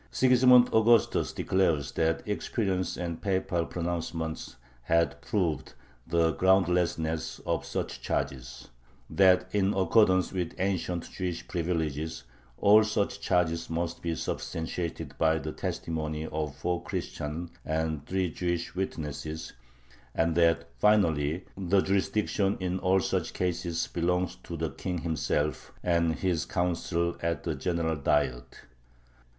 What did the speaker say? Sigismund Augustus declares that experience and papal pronouncements had proved the groundlessness of such charges; that, in accordance with ancient Jewish privileges, all such charges must be substantiated by the testimony of four Christian and three Jewish witnesses, and that, finally, the jurisdiction in all such cases belongs to the King himself and his Council at the General Diet.